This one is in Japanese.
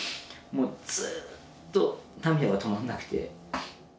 もうずっと涙が止まんなくて。